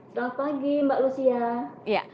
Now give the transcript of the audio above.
selamat pagi mbak lucia